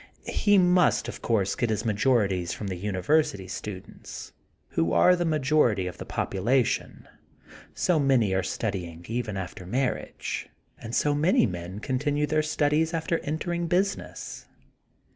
He must, of course, get his majorities from the University students, who are the majority of the population, so many are studying even after marriage, and so many men contipue their studies after entering business.